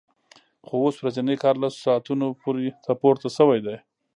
خو اوس ورځنی کار لسو ساعتونو ته پورته شوی دی